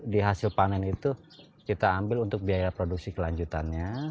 di hasil panen itu kita ambil untuk biaya produksi kelanjutannya